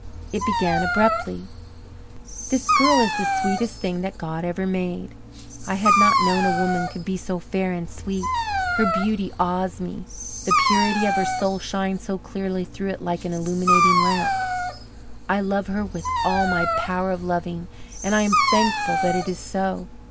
It began abruptly: This girl is the sweetest thing that God ever made. I had not known a woman could be so fair and sweet. Her beauty awes me, the purity of her soul shines so clearly through it like an illuminating lamp. I love her with all my power of loving and I am thankful that it is so.